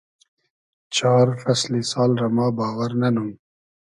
چار فئسلی سال رۂ ما باوئر نئنوم